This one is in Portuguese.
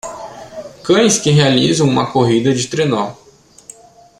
Cães que realizam uma corrida de trenó